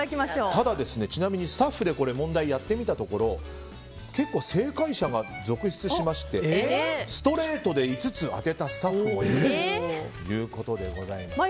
ただちなみにスタッフで問題をやってみたところ結構正解者が続出しましてストレートで５つ当てたスタッフもいるということです。